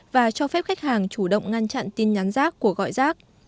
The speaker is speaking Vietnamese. và cho phép khách hàng chủ động ngăn chặn tin nhắn rác của gọi rác